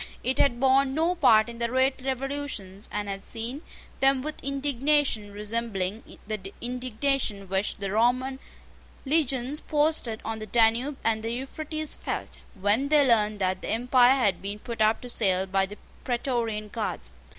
It had borne no part in the late revolutions, and had seen them with indignation resembling the indignation which the Roman legions posted on the Danube and the Euphrates felt, when they learned that the empire had been put up to sale by the Praetorian Guards.